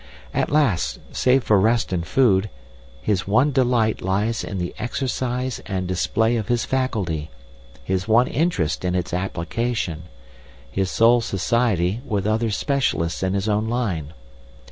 At last, save for rest and food, his one delight lies in the exercise and display of his faculty, his one interest in its application, his sole society with other specialists in his own line.